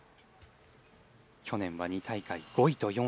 去年は２大会５位と４位。